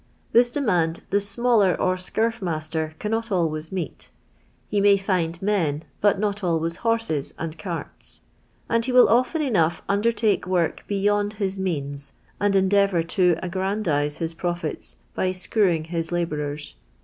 This demand the smaller or scurf master cannot always meet. He may lind men, but not always horses Jind cart*, and he will often cnouifh undertake work beyond his means and endeav«mr to a|.^an dise ills profits by screwing his labourers.